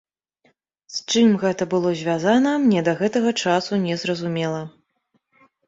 З чым гэта было звязана, мне да гэтага часу не зразумела.